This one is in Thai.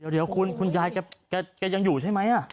เดี๋ยวคุณยายแกยังอยู่ใช่ไหม